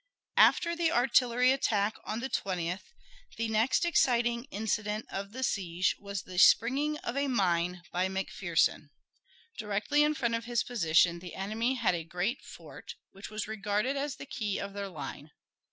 After the artillery attack on the 20th, the next exciting incident of the siege was the springing of a mine by McPherson. Directly in front of his position the enemy had a great fort which was regarded as the key of their line.